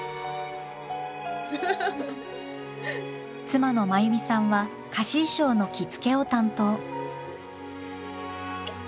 妻の真由美さんは貸衣装の着付けを担当。